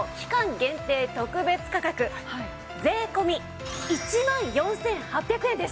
限定特別価格税込１万４８００円です。